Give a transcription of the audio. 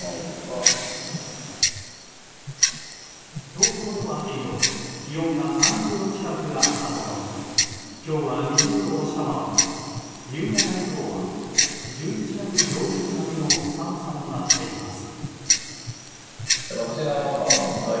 東京では昨日気温が３０度近くあったものの今日は２０度を下回り夕方以降は１１月上旬並みの寒さとなっています。